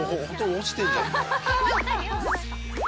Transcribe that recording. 落ちてんじゃんもう。